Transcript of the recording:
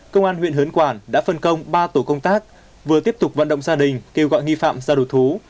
công an huyện hớn quản đã phân công ba tổ công tác vừa tiếp tục vận động gia đình kêu gọi nghi phạm ra đổ thú